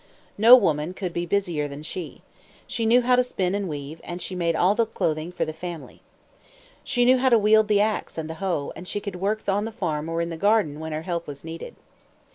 No woman could be busier than she. She knew how to spin and weave, and she made all the clothing for her family. She knew how to wield the ax and the hoe; and she could work on the farm or in the garden when her help was needed.